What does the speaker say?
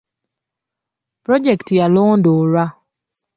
Pulojekiti yalondoolwa.